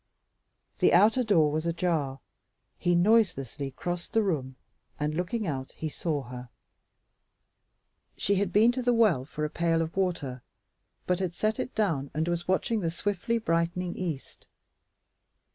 The outer door was ajar; he noiselessly crossed the room, and looking out, he saw her. She had been to the well for a pail of water, but had set it down and was watching the swiftly brightening east.